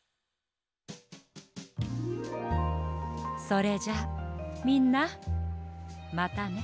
それじゃみんなまたね。